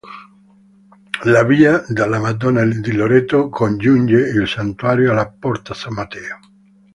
La "via della Madonna di Loreto" congiunge il santuario alla "porta San Matteo".